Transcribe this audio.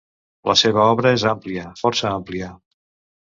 La seva obra és àmplia, força àmplia.